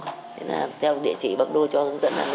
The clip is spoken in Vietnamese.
thế là theo địa chỉ bắc đô cho hướng dẫn